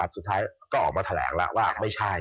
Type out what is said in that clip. สุดท้ายก็ออกมาแถลงแล้วว่าไม่ใช่